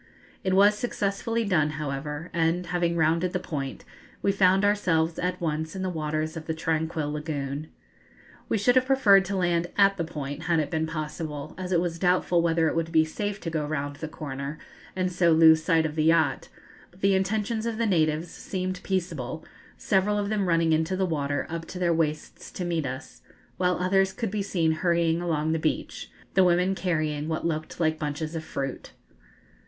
It was successfully done, however, and, having rounded the point, we found ourselves at once in the waters of the tranquil lagoon. We should have preferred to land at the point, had it been possible, as it was doubtful whether it would be safe to go round the corner, and so lose sight of the yacht; but the intentions of the natives seemed peaceable, several of them running into the water up to their waists to meet us, while others could be seen hurrying along the beach, the women carrying what looked like bunches of fruit.